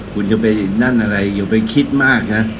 คุณจะไปนั่นอะไรอย่าไปคิดมากนะ